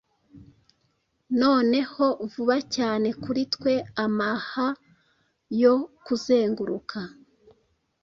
Noneho vuba cyane kuri twe amaaha yo kuzenguruka